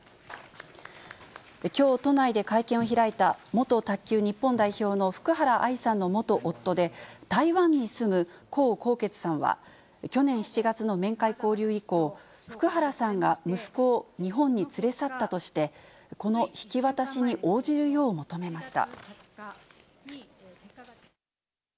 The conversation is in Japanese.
きょう都内で会見を開いた、元卓球日本代表の福原愛さんの元夫で、台湾に住む江宏傑さんは、去年７月の面会交流以降、福原さんが息子を日本に連れ去ったとして、子の引き渡しに応じるよう求めました。